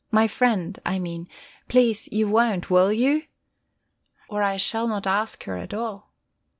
My friend, I mean. Please, you won't, will you? Or I shall not ask her at all."